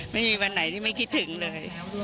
ไม่มีวันไหนที่ไม่คิดถึงเลย